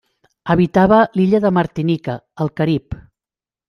Habitava l'illa de Martinica, al Carib.